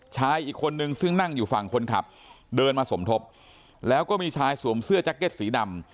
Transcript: ชายอีกคนนึงซึ่งนั่งอยู่ฝั่งคนขับเดินมาสมทบแล้วก็มีชายสวมเสื้อแจ็คเก็ตสีดำ